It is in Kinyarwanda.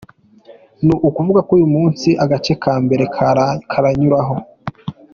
Ni ukuvuga ko uyu munsi agace ka mbere karanyuraho.